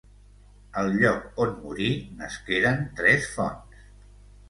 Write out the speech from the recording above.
Al lloc on morí nasqueren tres fonts.